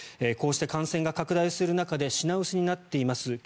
こうして感染が拡大する中で品薄になっています。